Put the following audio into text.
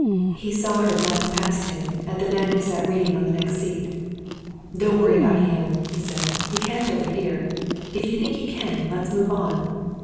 He saw her glance past him, at the man who sat reading on the next seat. "Don't worry about him," he said. "He can't overhear. If you think he can, let's move on."